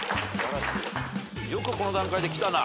よくこの段階できたな。